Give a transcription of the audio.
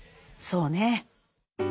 そうね。